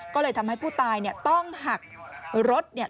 ก็เลยทำให้ผู้ตายเนี่ยต้องหักรถเนี่ย